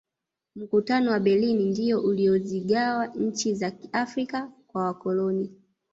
mkutano wa berlin ndiyo uliyozigawa nchi za kiafrika kwa wakoloni